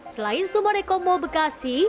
selain sumber ekonomi bekasi